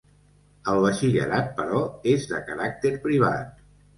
El Batxillerat però, és de caràcter privat.